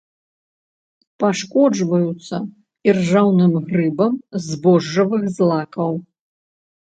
Пашкоджваюцца іржаўным грыбам збожжавых злакаў.